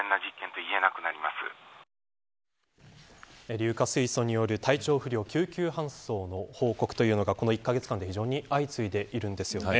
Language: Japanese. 硫化水素による体調不良救急搬送の報告というのがこの１カ月間で非常に相次いでいるんです。